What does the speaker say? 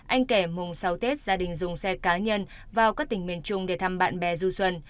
anh kẻ mùng sáu tết gia đình dùng xe cá nhân vào các tỉnh miền trung để thăm bạn bè du xuân